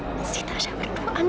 itu masalah kamu tristan